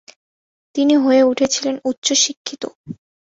তিনি হয়ে উঠেছিলেন উচ্চশিক্ষিত।